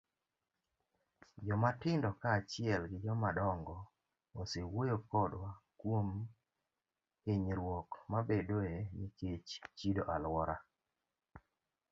Jomatindo kaachiel gi jomadongo osewuoyo kodwa kuom hinyruok mabedoe nikech chido alwora.